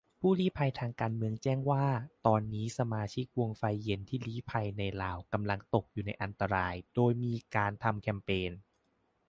ผู้ลี้ภัยทางการเมืองแจ้งว่า ตอนนี้สมาชิกวงไฟเย็นที่ลี้ภัยในลาวกำลังตกอยู่ในอันตราย-โดยมีการทำแคมเปญ